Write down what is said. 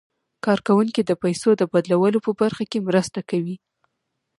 کارکوونکي د پيسو د بدلولو په برخه کې مرسته کوي.